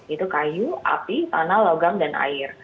itu kayu api tanah logam dan air